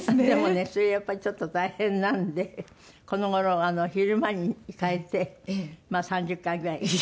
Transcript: でもねそれはやっぱりちょっと大変なんでこの頃昼間に変えてまあ３０回ぐらい。